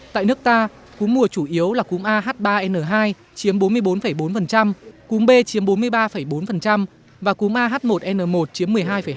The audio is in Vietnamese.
tại nước ta cúm mùa chủ yếu là cúm a h ba n hai chiếm bốn mươi bốn bốn cúm b chiếm bốn mươi ba bốn và cúm a h một n một chiếm một mươi hai hai